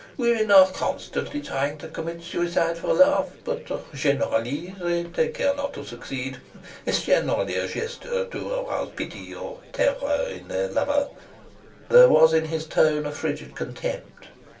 Women are constantly trying to commit suicide for love, but generally they take care not to succeed. It's generally a gesture to arouse pity or terror in their lover." There was in his tone a frigid contempt.